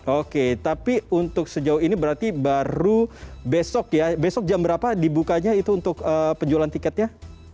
oke tapi untuk sejauh ini berarti baru besok ya besok jam berapa dibukanya itu untuk penjualan tiketnya